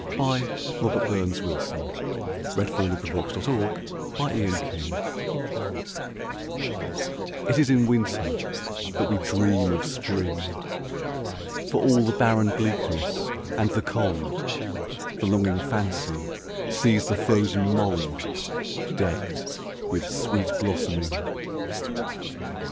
By Robert BurnsWilson 1047 It Is in Winter That We Dream of Spring IT is in Winter that we dream of Spring; For all the barren bleakness and the cold, The longing fancy sees the frozen mouldDecked with sweet blossoming.